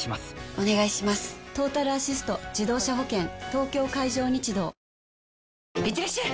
東京海上日動いってらっしゃい！